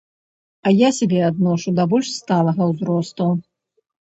А я сябе адношу да больш сталага ўзросту.